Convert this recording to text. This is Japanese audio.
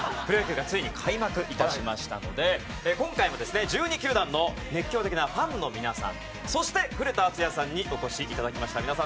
プロ野球がついに開幕いたしましたので今回もですね１２球団の熱狂的なファンの皆さんそして古田敦也さんにお越しいただきました。